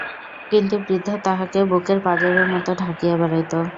কিন্তু বৃদ্ধ তাহাকে বুকের পাঁজরের মতো ঢাকিয়া বেড়াইত।